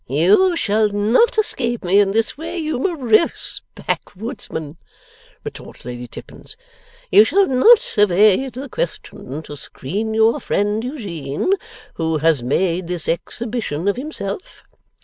'You shall not escape me in this way, you morose backwoodsman,' retorts Lady Tippins. 'You shall not evade the question, to screen your friend Eugene, who has made this exhibition of himself.